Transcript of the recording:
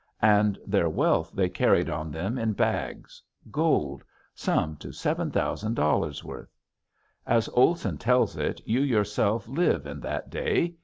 And their wealth they carried on them in bags, gold, some to $7000 worth. As Olson tells it you yourself live in that day.